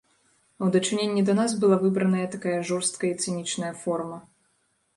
А ў дачыненні да нас была выбраная такая жорсткая і цынічная форма.